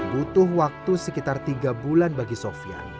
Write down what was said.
butuh waktu sekitar tiga bulan bagi sofian